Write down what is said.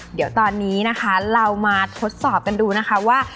เดี๋ยวตอนนี้นะคะเรามาทดสอบกันดูนะคะว่า